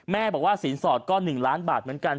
แม่บอกว่าสินสอดก็๑ล้านบาทเหมือนกัน